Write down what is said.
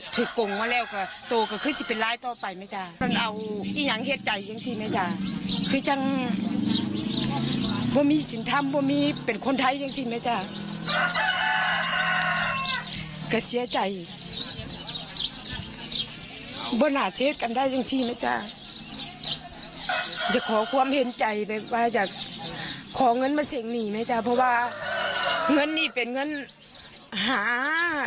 เป็นใจไปว่าจะขอเงินมาเสียงหนีไหมจ๊ะเพราะว่าเงินนี่เป็นเงินหา